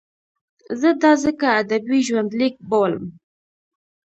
زه دا ځکه ادبي ژوندلیک بولم.